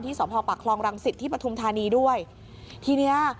ที่สวพพลักษณ์คลองรังศิษย์ที่ประทุมธานีด้วยทีเนี้ย